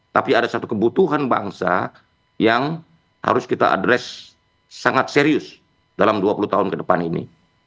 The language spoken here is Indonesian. tapi ada satu kebutuhan bangsa yang harus kita addres sangat serius dalam dua puluh tahun ke depan ini